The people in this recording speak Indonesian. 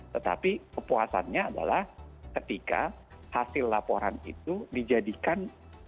tetapi kepuasannya adalah ketika hasil laporan itu dijadikan